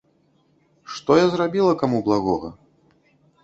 Што я зрабіла каму благога?